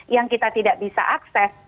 yang kita tidak bisa akses